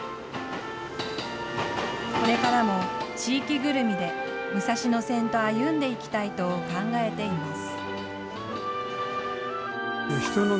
これからも地域ぐるみで武蔵野線と歩んでいきたいと考えています。